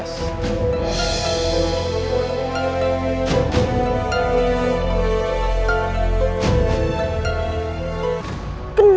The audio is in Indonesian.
sampai jumpa lagi